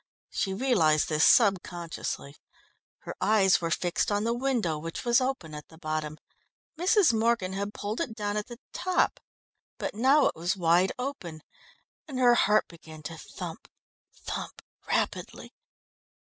She realised this subconsciously. Her eyes were fixed on the window, which was open at the bottom. Mrs. Morgan had pulled it down at the top, but now it was wide open, and her heart began to thump, thump, rapidly.